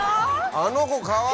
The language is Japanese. あの子かわいい。